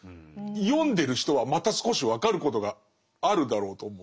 読んでる人はまた少し分かることがあるだろうと思うんです。